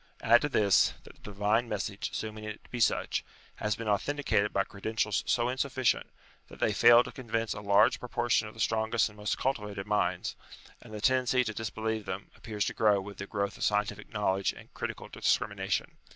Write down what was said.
Add to this, that the divine message, assuming it to be such, has been authenti cated by credentials so insufficient, that they fail to convince a large proportion of the strongest and most cultivated minds, and the tendency to disbelieve them appears to grow with the growth of scientific knowledge and critical discrimination.